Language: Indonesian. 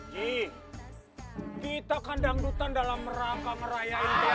ji kita kandang dutan dalam rangka merayain